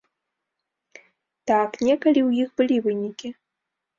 Так, некалі ў іх былі вынікі.